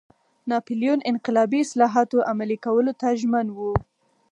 ناپلیون انقلابي اصلاحاتو عملي کولو ته ژمن و.